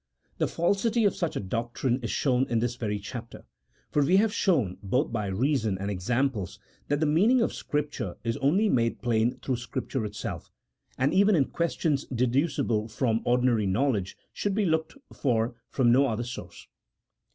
The falsity of such a doctrine is shown in this very chap ter, for we have shown both by reason and examples that the meaning of Scripture is only made plain through Scrip ture itself, and even in questions deducible from ordinary knowledge should be looked for from no other source.